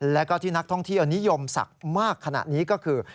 แล้วก็ที่นักท่องเที่ยวนิยมศักดิ์มากขณะนี้ก็คือ